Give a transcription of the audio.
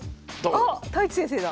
あっ太地先生だ。